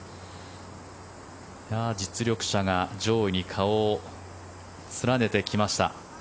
実力者が上位に顔を連ねてきました。